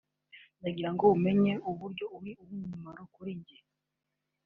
ndagira ngo umenye uburyo uri uw'umumaro kuri njye